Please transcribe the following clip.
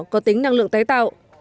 có tính năng lượng tái tạo